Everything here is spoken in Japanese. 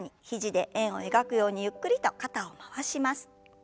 肘で円を描くようにゆっくりと肩を回します。